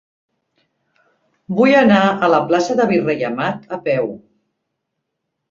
Vull anar a la plaça del Virrei Amat a peu.